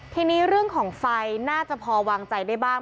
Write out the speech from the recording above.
ทีนี้เรื่องของไฟน่าจะพอวางใจได้บ้าง